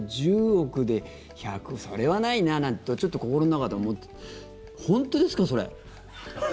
１０億で１００それはないななんてちょっと心の中で思ってたら本当ですか、それ。